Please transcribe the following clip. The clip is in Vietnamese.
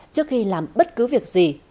trước khi làm bất cứ việc gì